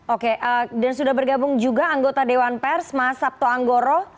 oke dan sudah bergabung juga anggota dewan pers mas sabto anggoro